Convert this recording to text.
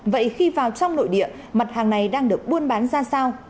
vậy khi vào trong nội địa mặt hàng này đang được buôn bán ra sao